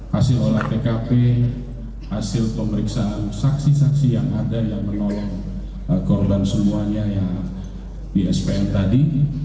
hasil olah tkp hasil pemeriksaan saksi saksi yang ada yang menolong korban semuanya yang di spn tadi